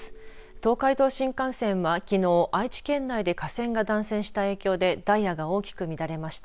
東海道新幹線はきのう愛知県内で架線が断線した影響でダイヤが大きく乱れました。